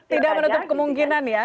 tidak menutup kemungkinan ya